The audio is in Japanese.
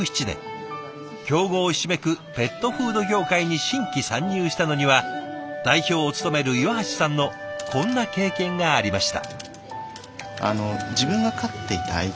強豪ひしめくペットフード業界に新規参入したのには代表を務める岩橋さんのこんな経験がありました。